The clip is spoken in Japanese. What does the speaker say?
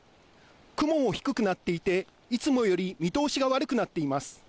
雲低くなっていて、いつもより見通しが悪くなっています。